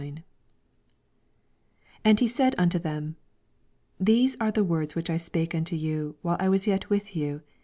44 And he Bald nolo them, These ir«the words which I spake unto yoa, while I was yet with you.